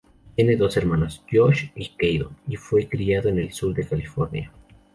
Tiene dos hermanos, Josh y Kyle, y fue criado en el Sur de California.